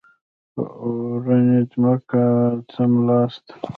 په اورنۍ ځمکه څملاست.